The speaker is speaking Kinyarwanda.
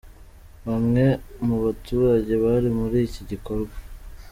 Bamwe mu baturage bari muri iki gikorwa.